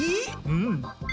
うん。